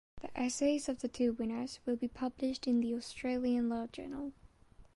The essays of the two winners will be published in the Australian Law Journal.